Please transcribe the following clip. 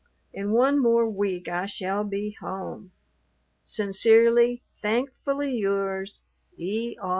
In one more week I shall be home. Sincerely, thankfully yours, E. R.